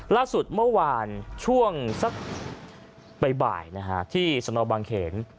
ล่าสุดเมื่อวานช่วงสักบ่ายที่สนบางเขน